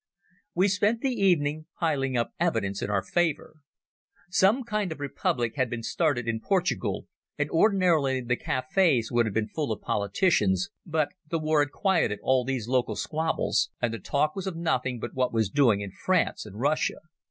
We spent the evening piling up evidence in our favour. Some kind of republic had been started in Portugal, and ordinarily the cafes would have been full of politicians, but the war had quieted all these local squabbles, and the talk was of nothing but what was doing in France and Russia.